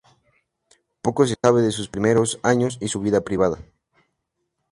Poco se sabe sobre sus primeros años y su vida privada.